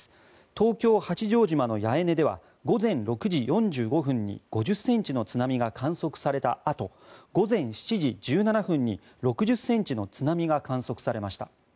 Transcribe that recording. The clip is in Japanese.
東京・八丈島の八重根では午前６時４５分に５０ｃｍの津波が観測されたあと午前７時１７分に６０ｃｍの津波が観測されました。